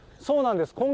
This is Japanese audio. そうなんです。